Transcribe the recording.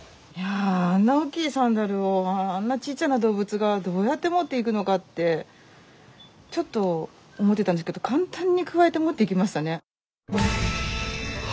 あんな大きいサンダルをあんな小さな動物がどうやって持っていくのかってちょっと思ってたんですけど簡単にくわえて持っていきましたね。